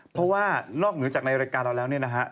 เพราะว่านอกเหนือจากในรายการเราแล้วเนี่ยนะฮะ